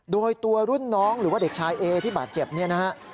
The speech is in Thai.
โดยตัวรุ่นน้องหรือว่าเด็กชายเอที่บาดเจ็บเนี่ยนะฮะ